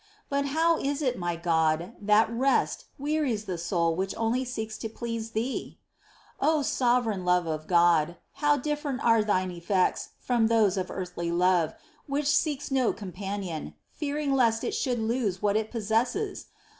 But how is it, my God, that rest wearies the soul which only seeks to please Thee ? 2. O sovereign love of God, how different are thine effects from those of earthly love, which seeks no com panion, fearing lest it should lose what it possesses